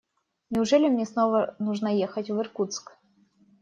Неужели мне снова нужно ехать в Иркутск?